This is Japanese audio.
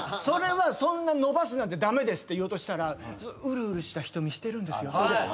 それはそんなのばすなんて駄目ですって言おうとしたらうるうるした瞳してるんですよ。